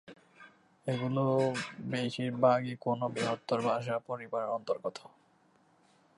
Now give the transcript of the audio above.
এগুলি বেশির ভাগই কোন বৃহত্তর ভাষা পরিবারের অন্তর্গত।